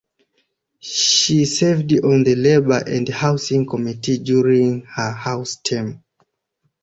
She served on the Labor and Housing Committee during her House term.